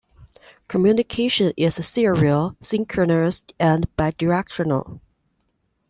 Communication is serial, synchronous and bidirectional.